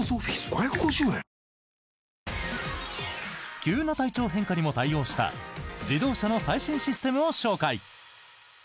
急な体調変化にも対応した自動車の最新システムを紹介。